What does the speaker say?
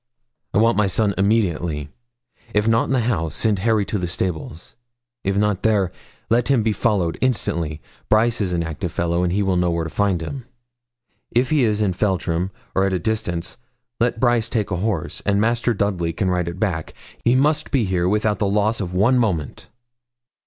'I want my son, immediately. If not in the house, send Harry to the stables; if not there, let him be followed, instantly. Brice is an active fellow, and will know where to find him. If he is in Feltram, or at a distance, let Brice take a horse, and Master Dudley can ride it back. He must be here without the loss of one moment.'